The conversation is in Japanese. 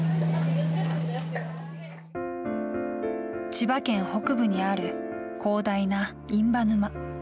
千葉県北部にある広大な印旛沼。